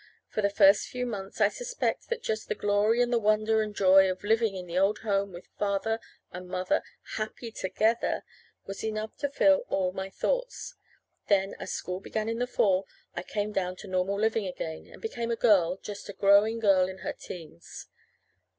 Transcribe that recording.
For the first few months I suspect that just the glory and the wonder and joy of living in the old home, with Father and Mother happy together, was enough to fill all my thoughts. Then, as school began in the fall, I came down to normal living again, and became a girl just a growing girl in her teens.